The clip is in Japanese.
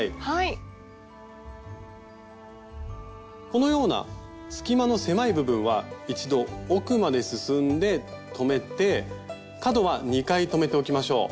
このような隙間の狭い部分は一度奥まで進んで留めて角は２回留めておきましょう。